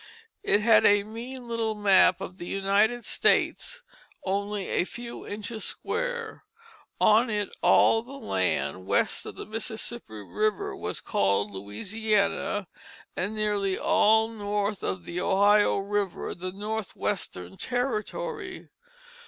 It had a mean little map of the United States, only a few inches square. On it all the land west of the Mississippi River was called Louisiana, and nearly all north of the Ohio River, the Northwestern Territory.